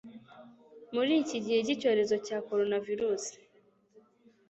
muri iki gihe cy'icyorezo cya coronavirus